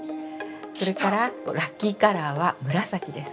それから、ラッキーカラーは紫です。